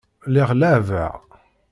Lliɣ leɛɛbeɣ.